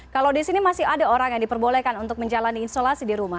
kalau di sini masih ada orang yang diperbolehkan untuk menjalani isolasi di rumah